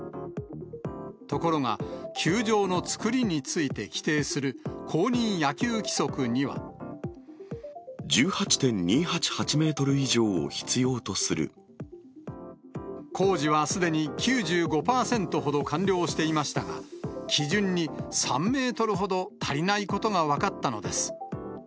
ところが、球場のつくりについて規定する公認野球規則には。１８．２８８メートル以上を工事はすでに９５％ほど完了していましたが、基準に３メートルほど足りないことが分かったのです。